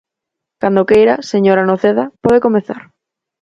Cando queira, señora Noceda, pode comezar.